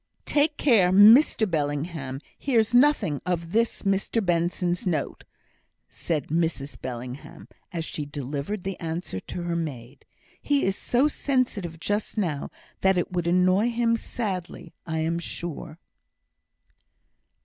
"Take care Mr Bellingham hears nothing of this Mr Benson's note," said Mrs Bellingham, as she delivered the answer to her maid; "he is so sensitive just now that it would annoy him sadly, I am sure."